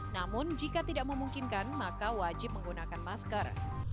namun jika tidak memungkinkan maka wajib menggunakan masker